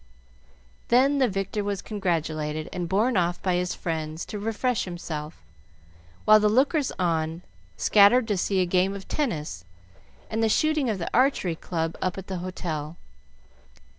Then the victor was congratulated and borne off by his friends to refresh himself, while the lookers on scattered to see a game of tennis and the shooting of the Archery Club up at the hotel.